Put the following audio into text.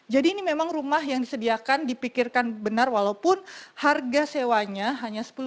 jadi ini memang rumah yang disediakan dipikirkan benar walaupun harga sewanya hanya sepuluh rupiah saja